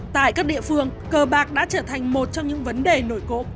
tại các địa phương cờ bạc đã trở thành một trong những vấn đề nổi cộng